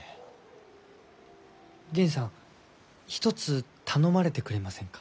源さん一つ頼まれてくれませんか？